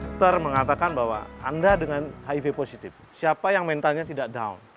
dokter mengatakan bahwa anda dengan hiv positif siapa yang mentalnya tidak down